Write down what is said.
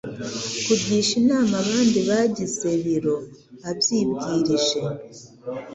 kugisha inama abandi bagize biro abyibwirije